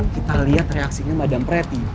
kita lihat reaksinya madam pretty